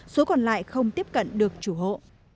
số còn lại không tiếp cận được chủ hộ